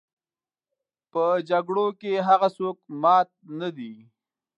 په جګړو کې هغه څوک مات نه دي.